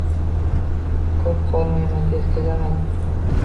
Ko`p qolmayman, tez kelaman